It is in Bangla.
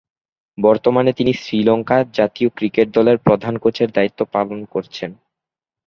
বর্তমানে তিনি শ্রীলঙ্কা জাতীয় ক্রিকেট দলের প্রধান কোচের দায়িত্ব পালন করছেন।